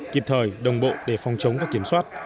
kịp thời đồng bộ để phòng chống và kiểm soát